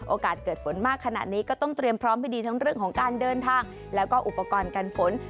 โอกาสเกิดฝนมากขนาดนี้ก็ต้องเตรียมพร้อมให้ดีทั้งเรื่องของการเดินทางแล้วก็อุปกรณ์การฝน